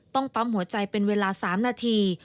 ปั๊มหัวใจเป็นเวลา๓นาที